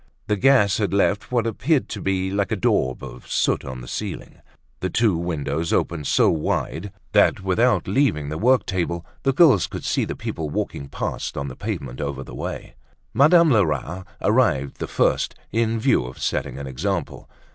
The gas had left what appeared to be like a daub of soot on the ceiling. The two windows opened so wide that without leaving the work table the girls could see the people walking past on the pavement over the way. Madame Lerat arrived the first, in view of setting an example.